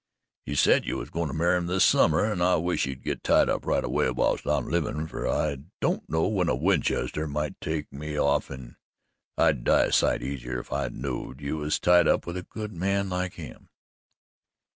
He said you was goin' to marry this summer an' I wish you'd git tied up right away whilst I'm livin', fer I don't know when a Winchester might take me off an' I'd die a sight easier if I knowed you was tied up with a good man like him."